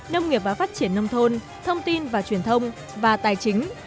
nông nghiệp và phát triển nông thôn thông tin và truyền thông và tài chính